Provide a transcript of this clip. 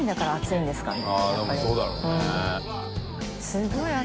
すごい汗。